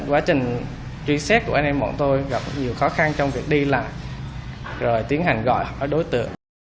quá trình truy xét của anh em bọn tôi gặp nhiều khó khăn trong việc đi lại rồi tiến hành gọi đối tượng